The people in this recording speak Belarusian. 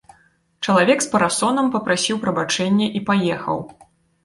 Чалавек з парасонам папрасіў прабачэння і паехаў.